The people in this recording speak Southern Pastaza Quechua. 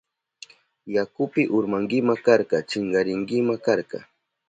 Yakupi urmankima karka, chinkarinkima karka.